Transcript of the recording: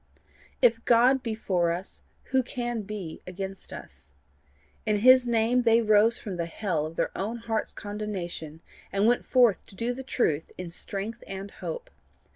If God be for us who can be against us? In his name they rose from the hell of their own hearts' condemnation, and went forth to do the truth in strength and hope.